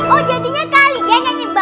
oh jadinya kalian nyanyi bapim berisik iya